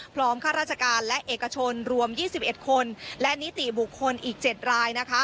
ข้าราชการและเอกชนรวม๒๑คนและนิติบุคคลอีก๗ราย